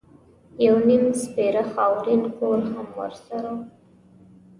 یو نیم سپېره خاورین کور هم ورسره و.